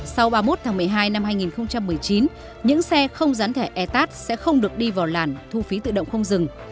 sau ba mươi một tháng một mươi hai năm hai nghìn một mươi chín những xe không gián thẻ etat sẽ không được đi vào làn thu phí tự động không dừng